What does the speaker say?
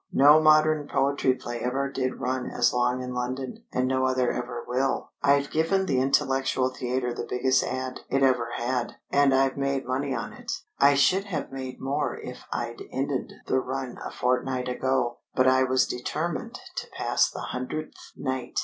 No modern poetry play ever did run as long in London, and no other ever will. I've given the intellectual theatre the biggest ad. it ever had. And I've made money on it. I should have made more if I'd ended the run a fortnight ago, but I was determined to pass the hundredth night.